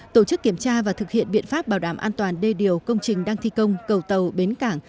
tổ chức kiểm tra và thực hiện biện pháp bảo đảm an toàn đê điều công trình đang thi công cầu tàu bến cảng